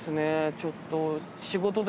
ちょっと。